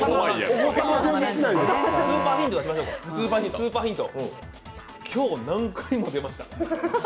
スーパーヒントは、今日、何回も出ました。